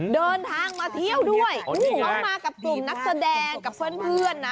เดินทางมาเที่ยวด้วยเขามากับกลุ่มนักแสดงกับเพื่อนนะ